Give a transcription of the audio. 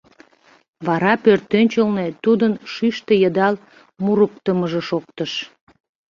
Вара пӧртӧнчылнӧ тудын шӱштӧ йыдал мурыктымыжо шоктыш.